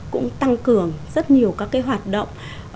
cũng tăng cường rất nhiều các cái hoạt động